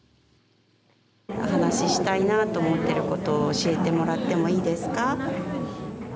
話ししたいなと思っていることを教えてもらってもいいですか。